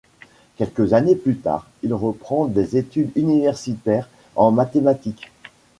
Quelques années plus tard, il reprend des études universitaires en mathématiques.